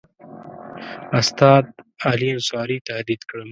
استاد علي انصاري تهدید کړم.